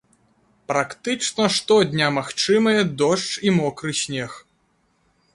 Практычна штодня магчымыя дождж і мокры снег.